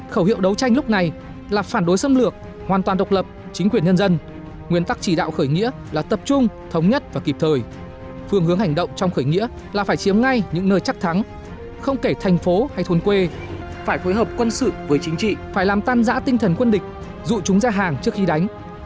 khẩu hiệu đấu tranh lúc này là phản đối xâm lược hoàn toàn độc lập chính quyền nhân dân nguyên tắc chỉ đạo khởi nghĩa là tập trung thống nhất và kịp thời phương hướng hành động trong khởi nghĩa là phải chiếm ngay những nơi chắc thắng không kể thành phố hay thôn quê phải phối hợp quân sự với chính trị phải làm tan giã tinh thần quân địch dụ chúng ra hàng trước khi đánh